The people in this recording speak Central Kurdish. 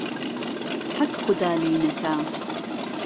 ههک خودا لێی نهکا